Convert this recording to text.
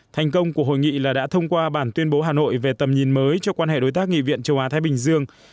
thành công của hội nghị là đã thông qua bản tuyên bố hà nội về tầm nhìn mới cho quan hệ đối tác nghị viện châu á thái bình dương